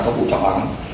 các vụ trọng án